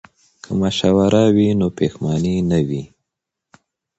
که مشوره وي نو پښیمانی نه وي.